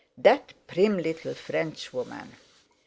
That prim little Frenchwoman!